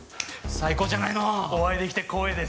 最高じゃないのお会いできて光栄です